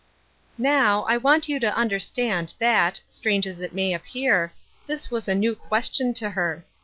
Now, I want you to understand that, strange as it may appear, this was a new question to her.